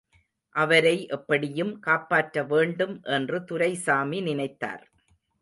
அவரை எப்படியும் காப்பாற்ற வேண்டும் என்று துரைசாமி நினைத்தார்.